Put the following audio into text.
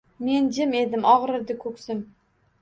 Men jim edim: ogʻrirdi koʻksim